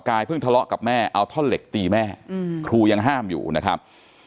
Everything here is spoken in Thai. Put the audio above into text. เพิ่งทะเลาะกับแม่เอาท่อนเหล็กตีแม่ครูยังห้ามอยู่นะครับ